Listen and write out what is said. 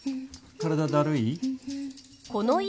体だるい？